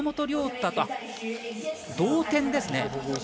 同点ですね。